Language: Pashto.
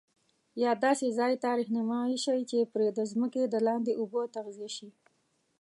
یا داسي ځاي ته رهنمایی شي چي پري د ځمکي دلاندي اوبه تغذیه شي